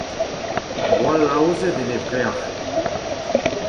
gwall aozet en e vrec'h